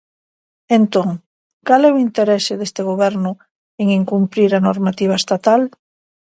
Entón, ¿cal é o interese deste Goberno en incumprir a normativa estatal?